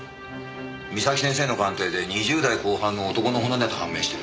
岬先生の鑑定で２０代後半の男の骨だと判明してる。